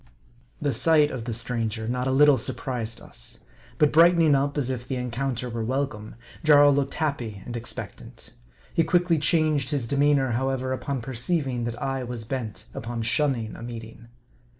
The sight of the stranger not a little surprised us. But brightening up, as if the encounter were welcome, Jarl looked happy and expectant. He quickly changed his de meanor, however, upon perceiving that I was bent upon shunning a meeting.